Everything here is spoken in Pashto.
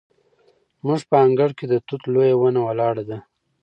زموږ په انګړ کې د توت لویه ونه ولاړه ده.